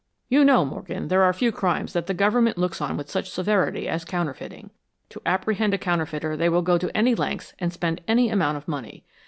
"You know, Morgan, there are few crimes that the Government looks on with such severity as counterfeiting. To apprehend a counterfeiter they will go to any lengths and spend any amount of money.